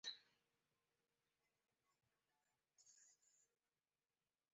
Asegura el abastecimiento de agua potable a Figueras.